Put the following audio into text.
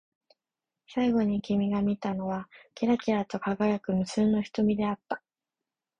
最後に君が見たのは、きらきらと輝く無数の瞳であった。